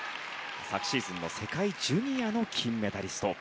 昨シーズンの世界ジュニアの金メダリスト。